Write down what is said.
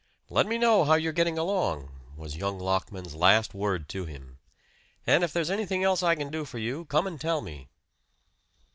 "Let me know how you're getting along," was young Lockman's last word to him. "And if there's anything else I can do for you come and tell me."